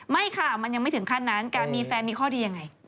ไม่ค่ะมันยังไม่ถึงขั้นนั้นการมีแฟนมีข้อดียังไง